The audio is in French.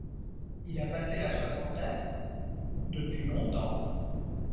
Il a passé la soixantaine ? -Depuis longtemps.